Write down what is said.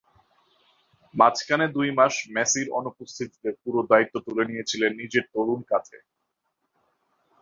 মাঝখানে দুই মাস মেসির অনুপস্থিতিতে পুরো দায়িত্ব তুলে নিয়েছিলেন নিজের তরুণ কাঁধে।